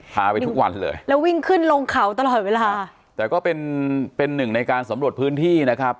พาไปทุกวันเลยแล้ววิ่งขึ้นลงเขาตลอดเวลาแต่ก็เป็นเป็นหนึ่งในการสำรวจพื้นที่นะครับ